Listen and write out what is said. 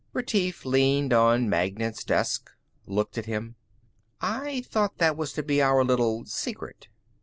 Retief leaned on Magnan's desk, looked at him. "I thought that was to be our little secret."